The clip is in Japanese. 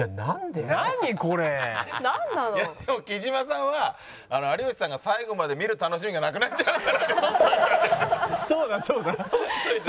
でも貴島さんは有吉さんが最後まで見る楽しみがなくなっちゃうからって取っといた。